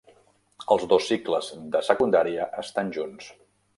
Els dos cicles de secundària estan junts.